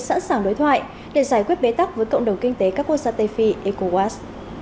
sẵn sàng đối thoại để giải quyết bế tắc với cộng đồng kinh tế các quốc gia tây phi ecowas